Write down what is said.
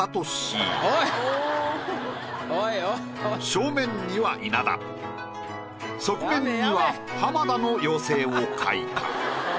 正面には稲田側面には浜田の妖精を描いた。